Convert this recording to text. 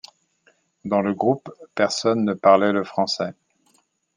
Dans le groupe, personne ne parlait le français.